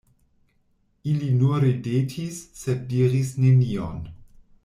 Ili nur ridetis, sed diris nenion.